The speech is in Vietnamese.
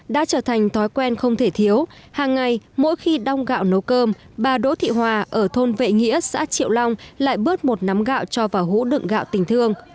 đã trở thành thói quen không thể thiếu hàng ngày mỗi khi đong gạo nấu cơm bà đỗ thị hòa ở thôn vệ nghĩa xã triệu long lại bớt một nắm gạo cho vào hũ đựng gạo tình thương